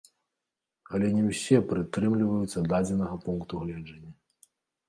Але не ўсе прытрымліваюцца дадзенага пункту гледжання.